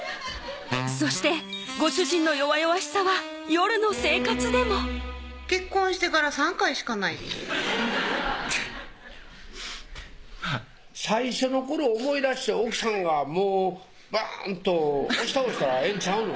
そしてご主人の弱々しさは夜の生活でも結婚してから３回しかない最初の頃を思い出して奥さんがもうバーンと押し倒したらええんちゃうの？